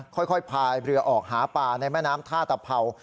ค่อยพายเรือออกหาปลาในแม่น้ำท่าตะเผา